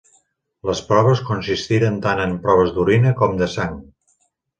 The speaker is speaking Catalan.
Les proves consistiren tant en proves d'orina com de sang.